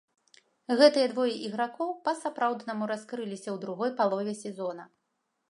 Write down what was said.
Гэтыя двое ігракоў па-сапраўднаму раскрыліся ў другой палове сезона.